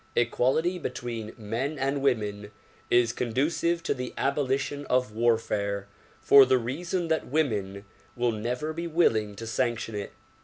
Equality between men and women is conducive to the abolition of warfare for the reason that women will never be willing to sanction it.